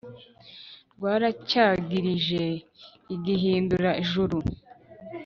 rwaracyagirije i gihindura-juru.